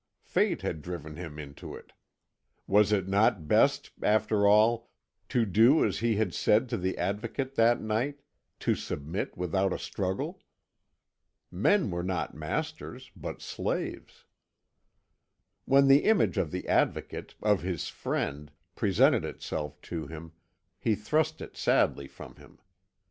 Fate had driven him into it. Was it not best, after all, to do as he had said to the Advocate that night, to submit without a struggle? Men were not masters, but slaves. When the image of the Advocate, of his friend, presented itself to him, he thrust it sadly from him.